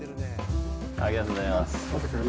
ありがとうございます。